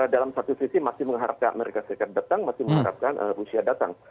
dalam satu sisi masih mengharapkan amerika serikat datang masih mengharapkan rusia datang